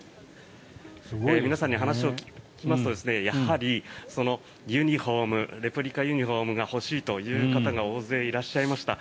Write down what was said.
皆さんに話を聞きますとやはりレプリカユニホームが欲しいという方が大勢いらっしゃいました。